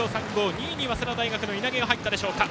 ２位に早稲田大学稲毛が入ったでしょうか。